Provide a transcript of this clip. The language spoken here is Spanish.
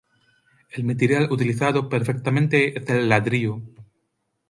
El material utilizado preferentemente es el ladrillo.